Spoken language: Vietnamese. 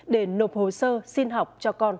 để nộp hồ sơ xin học cho con